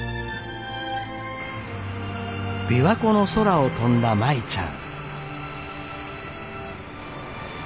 琵琶湖の空を飛んだ舞ちゃん。